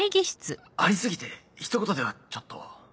あり過ぎて一言ではちょっと。